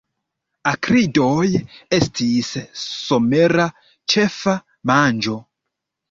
Akridoj estis somera ĉefa manĝo.